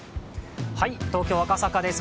東京・赤坂です。